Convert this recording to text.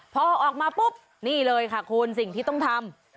พอออกมาปุ๊บนี่เลยค่ะคุณสิ่งที่ต้องทำ